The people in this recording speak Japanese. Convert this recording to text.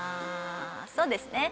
そうですね。